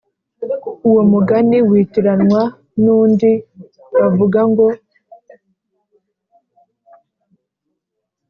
uwo mugani witiranwa n'undi bavuga ngo: